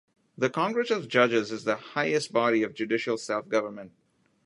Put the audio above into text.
The Congress of Judges is the highest body of judicial self-government.